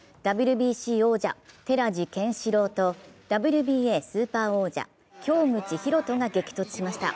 ＷＢＣ王者・寺地拳四朗とＷＢＡスーパー王者京口紘人が激突しました。